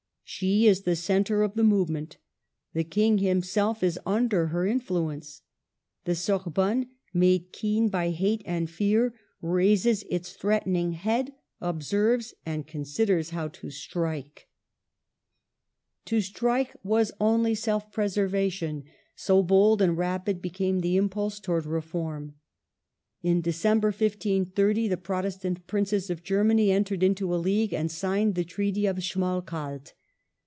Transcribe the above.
She is the centre of the movement; the King himself is under her in fluence. The Sorbonne, made keen by hate and fear, raises its threatening head, observes, and considers how to strike. 142 MARGARET OF ANGOUL^ME. To strike was only self preservation, so bold and rapid became the impulse towards reform. In December, 1530, the Protestant princes of Germany entered into a league and signed the Treaty of Smalcald.